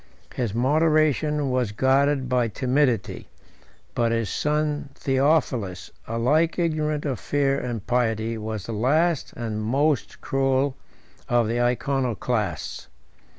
His moderation was guarded by timidity; but his son Theophilus, alike ignorant of fear and pity, was the last and most cruel of the Iconoclasts.